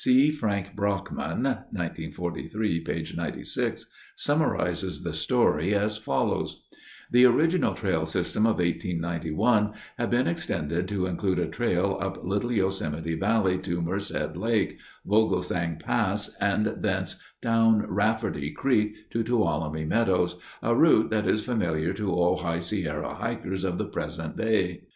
C. Frank Brockman (1943, p. 96) summarizes the story as follows: The original trail system of 1891 had been extended to include a trail up Little Yosemite Valley to Merced Lake, Vogelsang Pass and thence down Rafferty Creek to Tuolumne Meadows, a route that is familiar to all High Sierra hikers of the present day.